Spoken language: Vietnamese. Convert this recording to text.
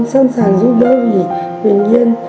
sẵn sàng giúp đỡ vì huyền nhiên